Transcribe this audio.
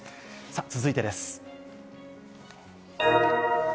続いてです。